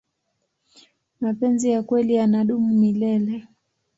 mapenzi ya kweli yanadumu milele